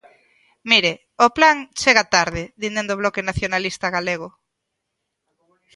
Mire, o plan chega tarde, din dende o Bloque Nacionalista Galego.